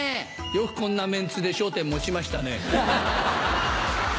よくこんなメンツで笑点もちましたね。